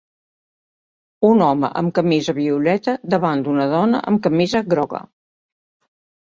Un home amb camisa violeta davant d'una dona amb camisa groga.